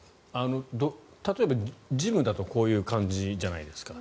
例えば、ジムだとこういう感じじゃないですか。